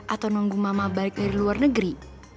atau nunggu mama balik dari luar negeri